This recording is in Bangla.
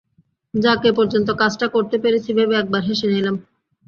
যাক এ পর্যন্ত কাজটা করতে পেরেছি ভেবে একবার হেসে নিলাম।